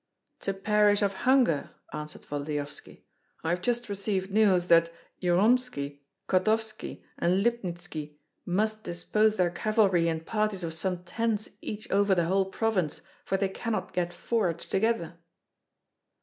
"To perish of hunger," answered Volodyovski. "I have just received news that Jyromski, Kotovski, and Lipnitski must dispose their cavalry in parties of some tens each over the whole province, for they cannot get forage together."